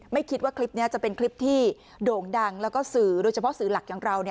ไม่คิดว่าคลิปนี้จะเป็นคลิปที่โด่งดังแล้วก็สื่อโดยเฉพาะสื่อหลักอย่างเรา